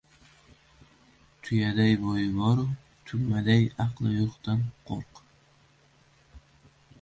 • Tuyaday bo‘yi boru, tugmaday aqli yo‘qdan qo‘rq.